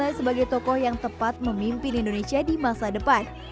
dan juga sebagai tokoh yang tepat memimpin indonesia di masa depan